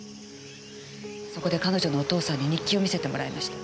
そこで彼女のお父さんに日記を見せてもらいました。